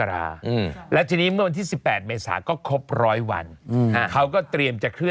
สนุนโดยอีซูซูดีแมคบลูพาวเวอร์นวัตกรรมเปลี่ยนโลก